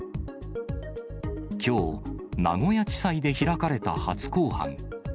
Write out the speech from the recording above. きょう、名古屋地裁で開かれた初公判。